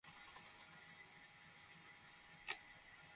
ফলে ক্রয়াদেশ চলে যাওয়া-সংক্রান্ত কোনো ধরনের নেতিবাচক তথ্য আমার কাছে আসেনি।